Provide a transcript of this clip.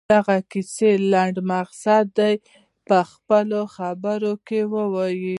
د دغې کیسې لنډ مقصد دې په خپلو خبرو کې ووايي.